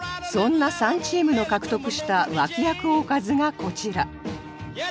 そんな３チームの獲得した脇役おかずがこちら